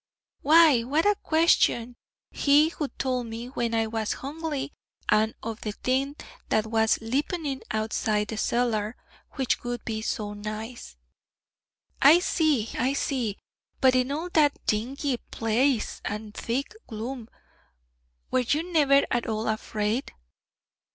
'Why, what a question! he who told me when I was hungly, and of the thing that was lipening outside the cellar, which would be so nice.' 'I see, I see. But in all that dingy place, and thick gloom, were you never at all afraid?'